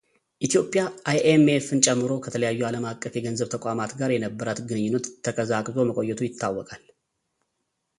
ኢትዮጵያ አይኤምኤፍን ጨምሮ ከተለያዩ ዓለም አቀፍ የገንዘብ ተቋማት ጋር የነበራት ግንኙነት ተቀዛቅዞ መቆየቱ ይታወቃል።